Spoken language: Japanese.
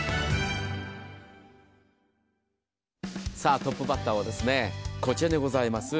トップバッターはこちらでございます。